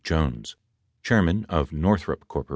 Jones, chairman of Northrop Corp.